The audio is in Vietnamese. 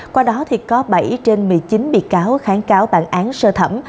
qua đó thì có bảy trên một mươi chín bị cáo kháng cáo bản án sơ thẩm